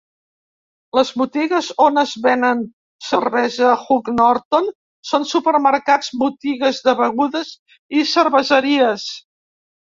Les botigues on es venen cervesa Hook Norton són supermercats, botigues de begudes i cerveseries.